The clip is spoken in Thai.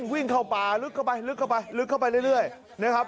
วิ่งเข้าป่าลึกเข้าไปลึกเข้าไปลึกเข้าไปเรื่อยนะครับ